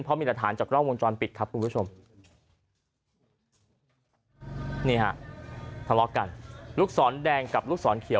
เพราะมีรฐานจากร่องวงจรปิดครับคุณผู้ชมนี่ฮะทะลกกันลูกศรแดงกับลูกศรเขียว